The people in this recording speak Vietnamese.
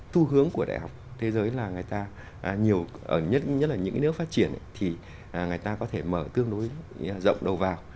thu hướng của đại học thế giới là người ta nhiều nhất là những nước phát triển thì người ta có thể mở tương đối rộng đầu vào